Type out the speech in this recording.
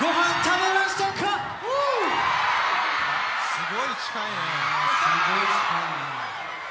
すごい近いね！